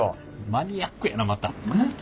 マニアックやなまた。